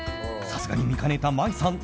さすがに見かねた麻衣さん